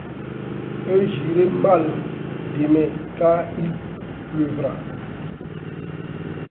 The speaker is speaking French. Et j’irai mal demain, car il pleuvra.